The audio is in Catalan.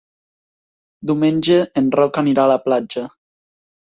Diumenge en Roc anirà a la platja.